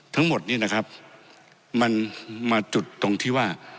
ทั้งหมดนี้นะครับมันมาจุดตรงที่ว่า